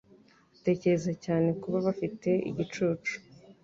Batekereza cyane kuba bafite igicucu